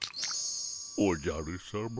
おじゃるさま。